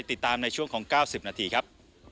ติดตามในช่วงของเก้าสิบนาทีครับ